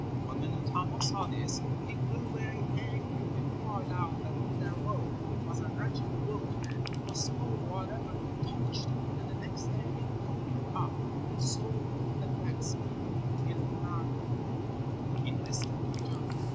But when Untamo saw this, he grew very angry, and cried out that Kullervo was a wretched workman who spoiled whatever he touched, and the next day he took him off and sold him to the blacksmith Ilmarinen in distant Karjala.